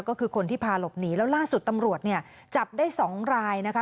ก็คือคนที่พาหลบหนีแล้วล่าสุดตำรวจเนี่ยจับได้๒รายนะคะ